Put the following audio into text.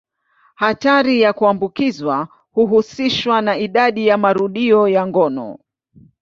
Hatari ya kuambukizwa huhusishwa na idadi ya marudio ya ngono.